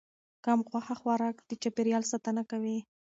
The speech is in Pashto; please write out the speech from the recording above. کم غوښه خوراک د چاپیریال ساتنه کوي.